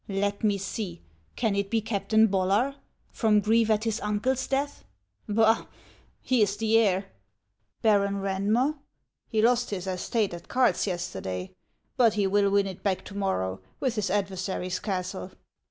Let me see ; can it be Captain Bol lar, — from grief at his uncle's death ? Bah ! he is the heir. Baron Eanduier ? He lost his estate at cards yes terday, but he will win it back to morrow, with his adver sary's castle.